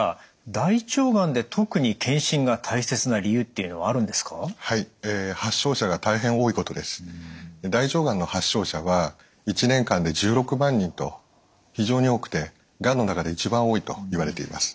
大腸がんの発症者は１年間で１６万人と非常に多くてがんの中で一番多いといわれています。